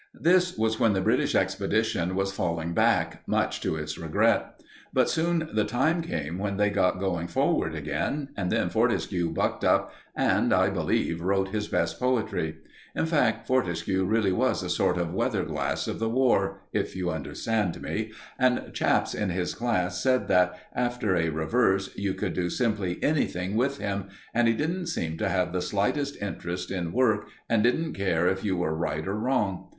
This was when the British Expedition was falling back, much to its regret. But soon the time came when they got going forward again, and then Fortescue bucked up and, I believe, wrote his best poetry. In fact, Fortescue really was a sort of weather glass of the War, if you understand me, and chaps in his class said that, after a reverse, you could do simply anything with him, and he didn't seem to have the slightest interest in work, and didn't care if you were right or wrong.